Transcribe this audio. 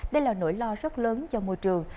đây là nỗi lo rất lớn cho môi trường